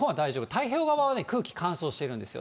太平洋側は空気、乾燥してるんですよ。